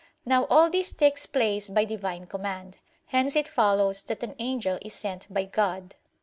Now all this takes place by Divine command. Hence it follows that an angel is sent by God.